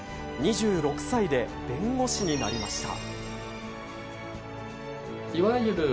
２６歳で弁護士になりました。